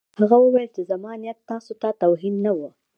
هغه وویل چې زما نیت تاسو ته توهین نه و